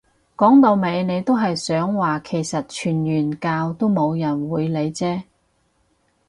講到尾你都係想話其實傳完教都冇人會理啫